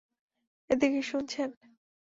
এদিকে, শুনছেন!